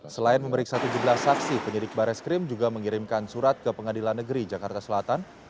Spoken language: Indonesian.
selain memeriksa tujuh belas saksi penyidik baris krim juga mengirimkan surat ke pengadilan negeri jakarta selatan